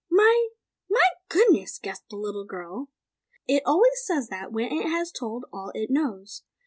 "My! MY GOODNESS!" gasped the little girl. "It always says that, when it has told all it knows.